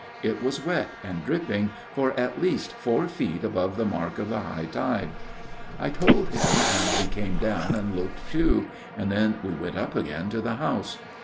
It was wet and dripping for at least four feet above the mark of the high tide. " I told him, and he came down and looked too, and then we went up again to the house.